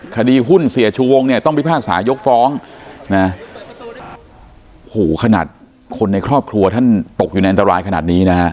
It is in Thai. คดีหุ้นเสียชูวงเนี่ยต้องพิพากษายกฟ้องนะโหขนาดคนในครอบครัวท่านตกอยู่ในอันตรายขนาดนี้นะฮะ